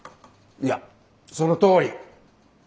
いやそのとおり。